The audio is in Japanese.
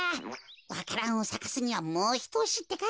わか蘭をさかすにはもうひとおしってか。